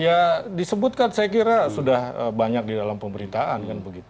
ya disebutkan saya kira sudah banyak di dalam pemberitaan